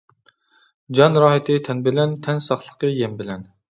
جان راھىتى تەن بىلەن، تەن ساقلىقى يەم بىلەن.